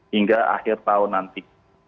hingga akhir tahun nanti